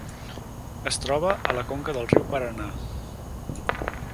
Es troba a la conca del riu Paranà.